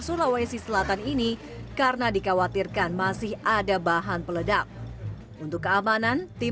sulawesi selatan ini karena dikhawatirkan masih ada bahan peledak untuk keamanan tim